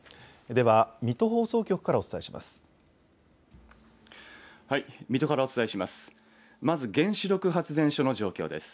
では水戸放送局からお伝えします。